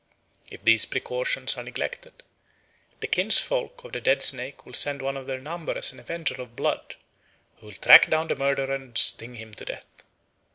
If these precautions are neglected, the kinsfolk of the dead snake will send one of their number as an avenger of blood, who will track down the murderer and sting him to death.